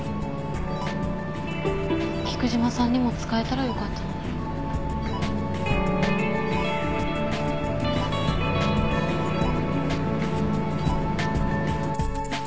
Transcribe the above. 菊島さんにも使えたらよかったのに。